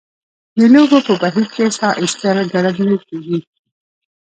د لوبو په بهیر کې ساه ایستل ګړندۍ کیږي.